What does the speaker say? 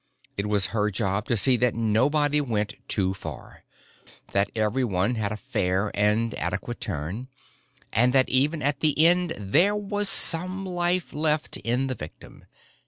It was her job to see that nobody went too far, that everyone had a fair and adequate turn, and that even at the end there was some life left in the victim.